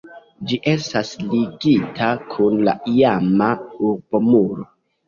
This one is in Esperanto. Ĝi estas ligita kun la iama urbomuro.